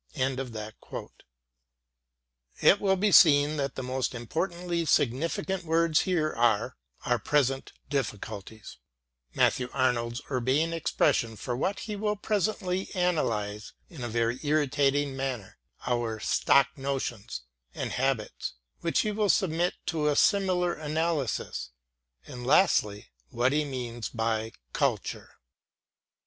Preface, MATTHEW ARNOLD i8i It will be seen that the most importantly significant words here are " our present diffi culties "— Matthew Arnold's urbane expression for what he will presently analyse in a very irritating manner ; our " stock notions and habits," which he will submit to a similar analysis ; and, lastly, what he means by " culture."